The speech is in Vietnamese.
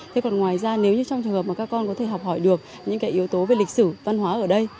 thế còn ngoài ra nếu như trong trường hợp mà các con có thể học hỏi được những cái yếu tố về lịch sử văn hóa ở đây